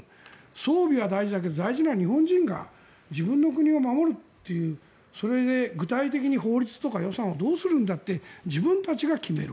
装備は大事だけど大事な日本人が自分の国を守るというそれで具体的に法律とか予算をどうするんだって自分たちが決める。